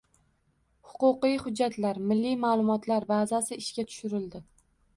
Huquqiy hujjatlar milliy ma'lumotlar bazasi ishga tushirildi.